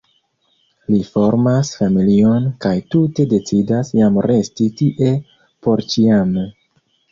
Li formas familion kaj tute decidas jam resti tie porĉiame.